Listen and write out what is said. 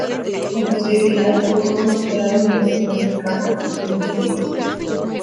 Con posterioridad cursó un doctorado en la Universidad Americana, del mismo país.